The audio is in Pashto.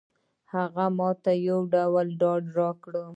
هغه ماته یو ډول ډاډ راکړ.